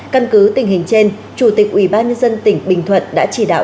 căn cứ tình hình trên chủ tịch ủy ban nhân dân tỉnh bình thuận đã chỉ đạo